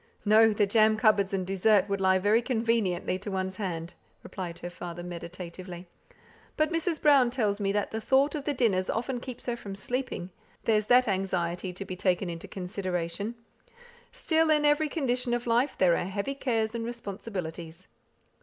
"No! the jam cupboards and dessert would lie very conveniently to one's hand," replied her father, meditatively. "But Mrs. Brown tells me that the thought of the dinners often keeps her from sleeping; there's that anxiety to be taken into consideration. Still, in every condition of life, there are heavy cares and responsibilities."